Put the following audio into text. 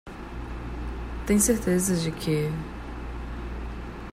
Tem certeza de que?